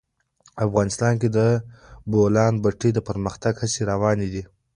افغانستان کې د د بولان پټي د پرمختګ هڅې روانې دي.